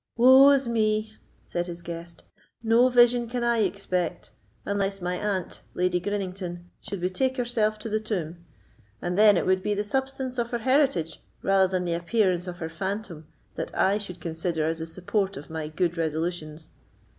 "Woe's me!" said his guest, "no vision can I expect, unless my aunt, Lady Grinington, should betake herself to the tomb; and then it would be the substance of her heritage rather than the appearance of her phantom that I should consider as the support of my good resolutions.